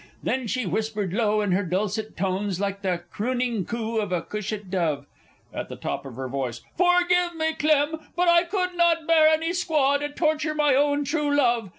Then she whispered low in her dulcet tones, like the crooning coo of a cushat dove! (At the top of her voice.) "Forgive me, Clem, but I could not bear any squaw to torture my own true love!"